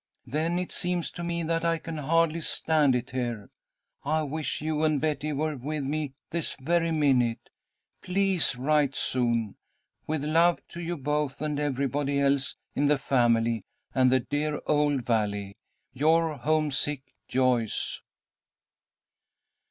Then it seems to me that I can hardly stand it here. I wish you and Betty were with me this very minute. Please write soon. With love to you both and everybody else in the family and the dear old valley, "'Your homesick "'JOYCE.'"